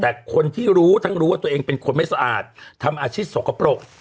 แต่คนที่รู้ทั้งรู้ว่าตัวเองเป็นคนไม่สะอาดทำอาชีพสกปรก